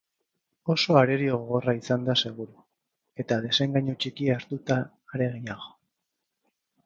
Oso arerio gogorra izango da seguru, eta desengainu txikia hartuta are gehiago.